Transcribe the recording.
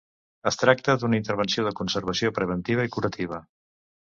Es tracta d’una intervenció de conservació preventiva i curativa.